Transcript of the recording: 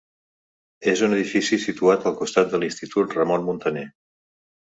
És un edifici situat al costat de l'institut Ramon Muntaner.